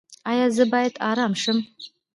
ایا زه باید ارام شم؟